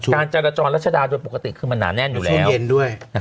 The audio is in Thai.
การจระจรรัชดาโดยปกติคือมันหนาแน่นอยู่แล้ว